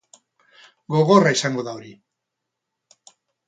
Gogorra izango da hori.